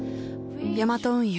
ヤマト運輸